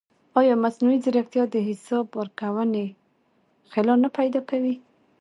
ایا مصنوعي ځیرکتیا د حساب ورکونې خلا نه پیدا کوي؟